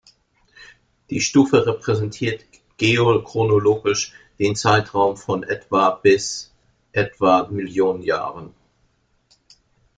Die Stufe repräsentiert geochronologisch den Zeitraum von etwa bis etwa Millionen Jahren.